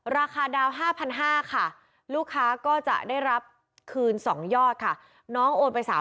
ราคาดาวน์๕๕๐๐บาทค่ะลูกค้าก็จะได้รับคืน๒ยอดค่ะ